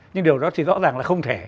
nhưng điều đó thì rõ ràng là không thể